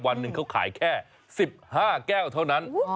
วันหนึ่งเขาขายแค่๑๕แก้วเท่านั้น